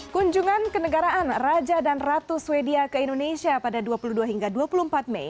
kunjungan kenegaraan raja dan ratu swedia ke indonesia pada dua puluh dua hingga dua puluh empat mei